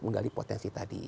menggali potensi tadi